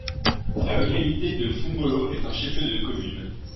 La localité de Foumbolo est un chef-lieu de commune.